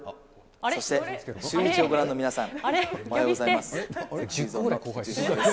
そしてシューイチをご覧の皆さん、おはようございます。